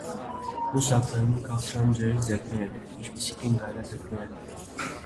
Մյուս ակվարիումում քաղցրահամ ջրերի ձկներ են, ինչպիսիք են գայլաձկները։